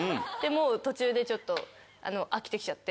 途中でちょっと飽きて来ちゃって。